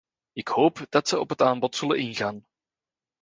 Ik hoop dat ze op het aanbod zullen ingaan.